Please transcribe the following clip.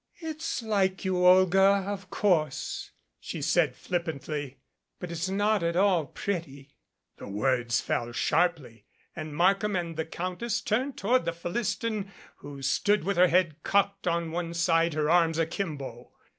"It's like you Olga, of course," she said flippantly, "but it's not at all pretty." The words fell sharply and Markham and the Countess turned toward the Philistine who stood with her head cocked on one side, her arms a kimbo.